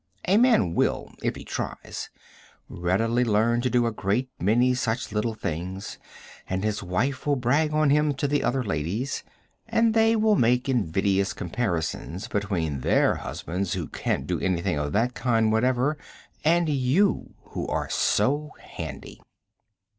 A man will, if he tries, readily learn to do a great many such little things and his wife will brag on him to other ladies, and they will make invidious comparisons between their husbands who can't do anything of that kind whatever, and you who are "so handy."